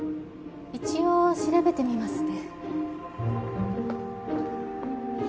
一応調べてみますね。